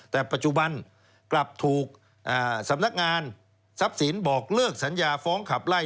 แต่ปัจจุบันกลับถูกสำนักงานทรัพย์สินบอกเลิกสัญญาฟ้องขับไล่